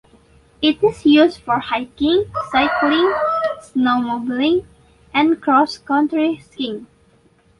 It is used for hiking, bicycling, snowmobiling, and cross country skiing.